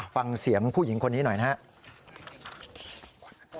ฟังเสียงผู้หญิงคนนี้หน่อยนะครับ